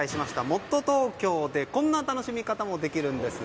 もっとＴｏｋｙｏでこんな楽しみ方もできるんです。